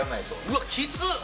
うわっきつっ！